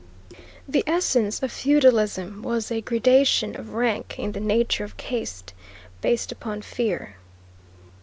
The essence of feudalism was a gradation of rank, in the nature of caste, based upon fear.